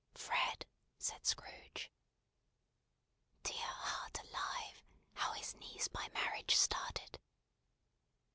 "Fred!" said Scrooge. Dear heart alive, how his niece by marriage started!